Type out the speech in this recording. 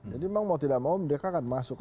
jadi memang mau tidak mau mereka akan masuk